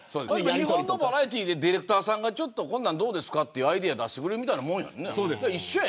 日本のバラエティーでディレクターさんがこんなんどうですかとアイデア出してくれるみたいなもんや。